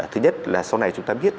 thứ nhất là sau này chúng ta biết